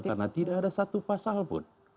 karena tidak ada satu pasal pun